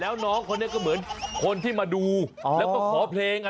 แล้วน้องคนนี้ก็เหมือนคนที่มาดูแล้วก็ขอเพลงอ่ะ